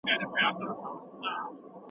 په کابل کي د صنعت لپاره بازار څنګه پراخېږي؟